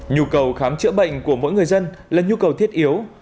nhu cầu khám chữa bệnh của mỗi người dân là nhu cầu thiết yếu